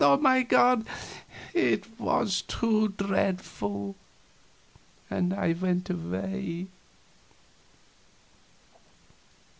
oh, my God!" it was too dreadful, and I went away.